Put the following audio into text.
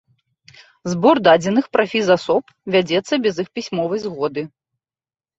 Збор дадзеных пра фізасоб вядзецца без іх пісьмовай згоды.